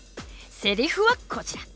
セリフはこちら。